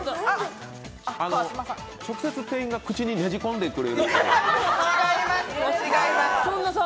直接店員が口にねじ込んでくれる？